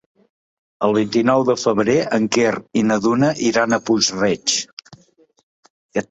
El vint-i-nou de febrer en Quer i na Duna iran a Puig-reig.